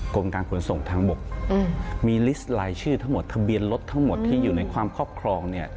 กรมการขนส่งทางบกมีลิสต์ลายชื่อทั้งหมดทะเบียนรถทั้งหมดที่อยู่ในความครอบครองเนี่ย